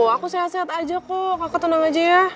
aku sehat sehat aja kok aku tenang aja ya